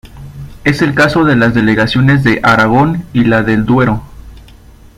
Es el caso de las delegaciones de Aragón y la del Duero.